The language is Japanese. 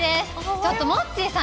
ちょっと、モッチーさん